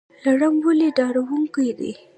لړم ولې ډارونکی دی؟